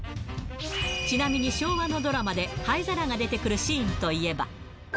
ちなみに昭和のドラマで灰皿が出てくるシーンといえば。